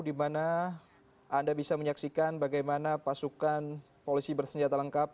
di mana anda bisa menyaksikan bagaimana pasukan polisi bersenjata lengkap